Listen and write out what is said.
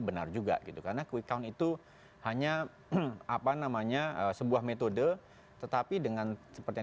benar juga gitu karena quick count itu hanya apa namanya sebuah metode tetapi dengan seperti yang